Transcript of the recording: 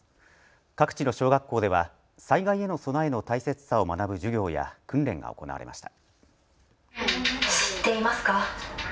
各地の小学校では災害への備えの大切さを学ぶ授業や訓練が行われました。